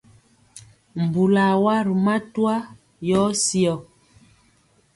Mbulɔ a wa ri matwa yɔ syɔ.